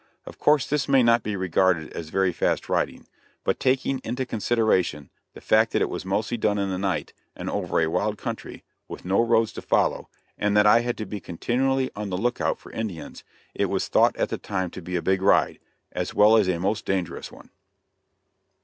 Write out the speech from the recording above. Of course, this may not be regarded as very fast riding, but taking into consideration the fact that it was mostly done in the night and over a wild country, with no roads to follow, and that I had to be continually on the look out for Indians, it was thought at the time to be a big ride, as well as a most dangerous one.